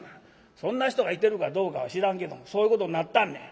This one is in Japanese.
そんな人がいてるかどうかは知らんけどそういうことになったぁんねん」。